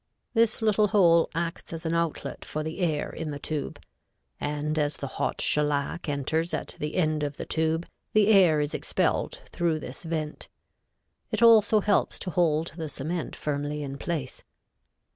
This little hole acts as an outlet for the air in the tube; and as the hot shellac enters at the end of the tube the air is expelled through this vent. It also helps to hold the cement firmly in place.